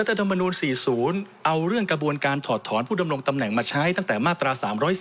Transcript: ธรรมนูล๔๐เอาเรื่องกระบวนการถอดถอนผู้ดำรงตำแหน่งมาใช้ตั้งแต่มาตรา๓๔